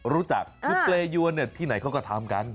รู้จักคือเปรยวนที่ไหนเขาก็ทำกัน